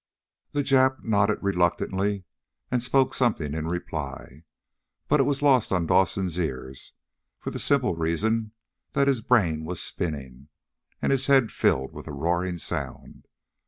The Jap nodded reluctantly and spoke something in reply, but it was lost on Dawson's ears for the simple reason that his brain was spinning, and his head filled with roaring sound.